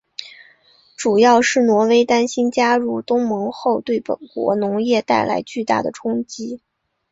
主要是挪威担心加入欧盟后会对本国农业带来巨大的冲击。